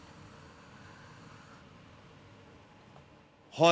はい。